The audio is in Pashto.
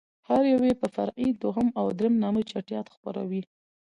هر يو يې په فرعي دوهم او درېم نامه چټياټ خپروي.